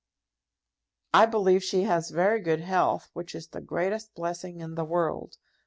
"I believe she has very good health, which is the greatest blessing in the world.